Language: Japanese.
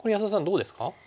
どうですか？